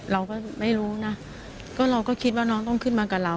เราก็ไม่รู้นะก็เราก็คิดว่าน้องต้องขึ้นมากับเรา